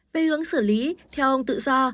về hướng xử lý theo ông tự do